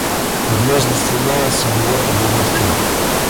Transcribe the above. Однажды сломалась у него табуретка.